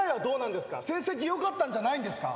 成績良かったんじゃないんですか？